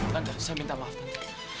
tante saya minta maaf tante